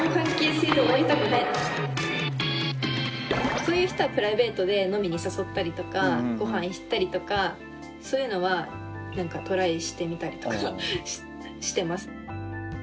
そういう人はプライベートで飲みに誘ったりとかごはん行ったりとかそういうのはトライしてみたりとかしてます。